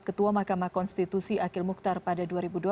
ketua mahkamah konstitusi akil mukhtar pada dua ribu dua belas